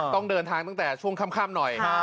ต้องเดินทางตั้งแต่ช่วงค่ำหน่อย